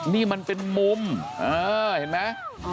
นี่มันเป็นมุมเห็นไหม